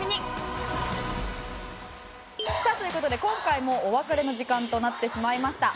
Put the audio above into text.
さあという事で今回もお別れの時間となってしまいました。